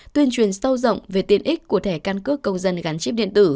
tuyên truyền sâu rộng về tiện ích của thẻ căn cước công dân gắn chip điện tử